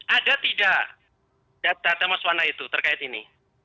ada tidak data mas wana itu terkait ini